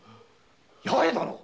八重殿！